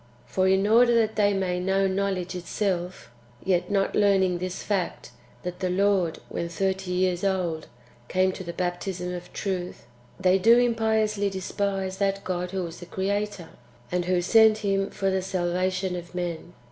For in order that Book ii.] IRENJEUS AGAINST HERESIES. 145 they may ^ know "knowledge" itself (yet not learning this fact, that the Lord, when thirty years old, came to the bap tism of truth), they do impiously despise that God who was the Creator, and who sent Him for the salvation of men.